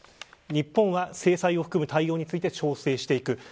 日本は制裁を含む対応について調整していく。